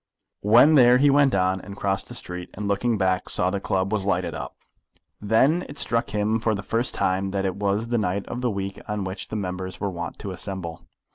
When there he went on, and crossed the street, and looking back saw the club was lighted up. Then it struck him for the first time that it was the night of the week on which the members were wont to assemble.